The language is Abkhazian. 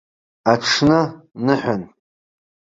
Аҽны ныҳәан.